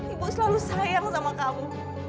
ibu selalu sayang sama kamu